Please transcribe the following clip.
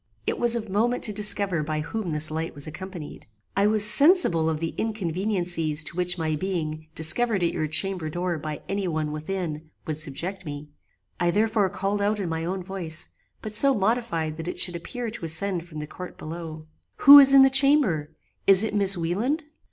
It was of moment to discover by whom this light was accompanied. I was sensible of the inconveniencies to which my being discovered at your chamber door by any one within would subject me; I therefore called out in my own voice, but so modified that it should appear to ascend from the court below, 'Who is in the chamber? Is it Miss Wieland?"